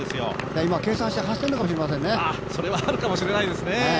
今、計算して走っているのかもしれませんね。